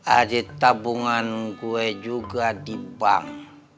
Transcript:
ajit tabungan gue juga di bank